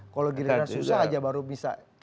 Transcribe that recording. kalau gerindra susah aja baru bisa